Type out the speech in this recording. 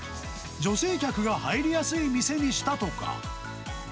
女性客が入りやすい店にしたとか。